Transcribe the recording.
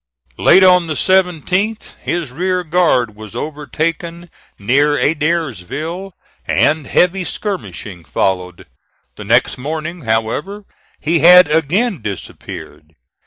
Late on the 17th, his rear guard was overtaken near Adairsville, and heavy skirmishing followed. The next morning, however, he had again disappeared.